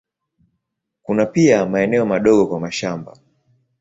Kuna pia maeneo madogo kwa mashamba.